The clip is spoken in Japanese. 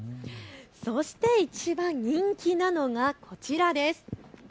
そしていちばん人気なのがこちらです。